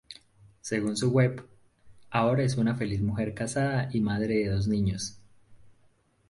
Según su web, ahora es una feliz mujer casada y madre de dos niños.